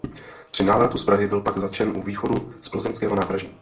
Při návratu z Prahy byl pak zatčen u východu z Plzeňského nádraží.